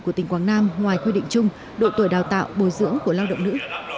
của tỉnh quảng nam ngoài quy định chung độ tuổi đào tạo bồi dưỡng của lao động nữ